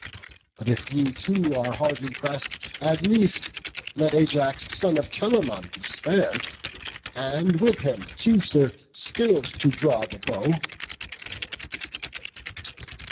But if ye too are hardly press'd, at least Let Ajax, son of Telamon, be spar'd, And with him Teucer, skill'd to draw the bow."